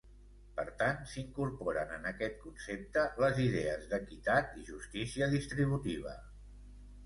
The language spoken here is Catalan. Per tant, s'incorporen, en aquest concepte, les idees d'equitat i justícia distributiva.